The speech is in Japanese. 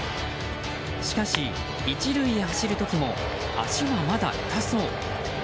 しかし、１塁へ走る時も足はまだ痛そう。